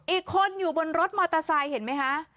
อีกคนอยู่บนรถมอเตอร์ไซค์เห็นไหมคะ